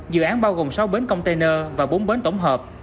dự án bao gồm sáu bến container và bốn bến tổng hợp